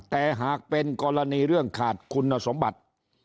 แต่หากเป็นกรณีเรื่องขาดคุณสมบัติ